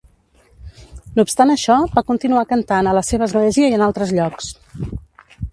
No obstant això, va continuar cantant a la seva església i en altres llocs.